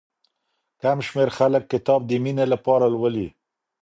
کم شمېر خلک کتاب د مينې لپاره لولي.